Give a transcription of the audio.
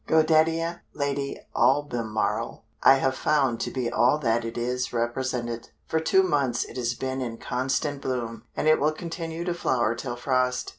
Godetia, "Lady Albemarle," I have found to be all that it is represented. For two months it has been in constant bloom, and it will continue to flower till frost.